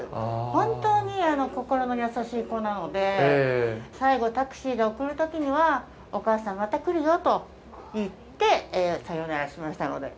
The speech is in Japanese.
本当に心の優しい子なので、最後、タクシーで送るときには、お母さんまた来るよと言って、さようならをしましたので。